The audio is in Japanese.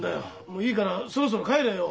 もういいからそろそろ帰れよ。